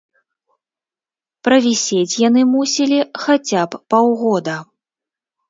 Правісець яны мусілі хаця б паўгода.